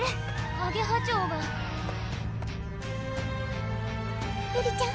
アゲハチョウがルリちゃん